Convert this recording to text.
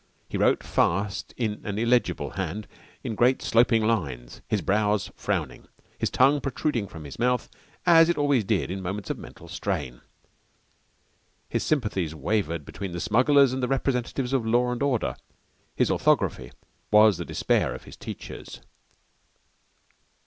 He wrote fast in an illegible hand in great sloping lines, his brows frowning, his tongue protruding from his mouth as it always did in moments of mental strain. His sympathies wavered between the smugglers and the representatives of law and order. His orthography was the despair of his teachers.